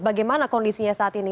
bagaimana kondisinya saat ini